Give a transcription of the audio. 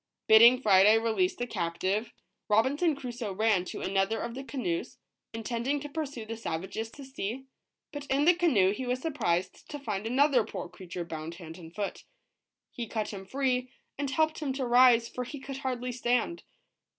Bidding Friday release the captive, Robinson Crusoe ran to 145 ROBINSON CRUSOE. FRIDAY'S GRATITUDE. another of the canoes, intending to pursue the savages to sea, but in the canoe he was surprised to find another poor crea ture bound hand and foot. He cut him free, and helped him to rise, for he could hardly stand.